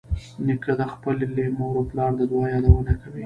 نیکه د خپلې مور او پلار د دعا یادونه کوي.